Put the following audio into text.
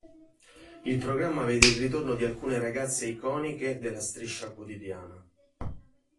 Il programma vede il ritorno di alcune ragazze "iconiche" della striscia quotidiana.